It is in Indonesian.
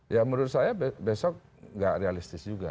ya menurut saya besok nggak realistis juga